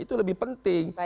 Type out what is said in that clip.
itu lebih penting